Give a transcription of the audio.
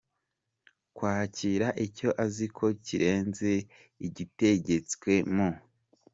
kwakira icyo azi ko kirenze igitegetswe mu .